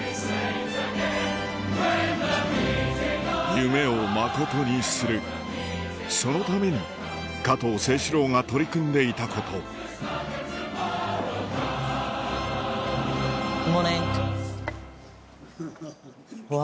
夢をまことにするそのために加藤清史郎が取り組んでいたことＧｏｏｄｍｏｒｎｉｎｇ．うわ！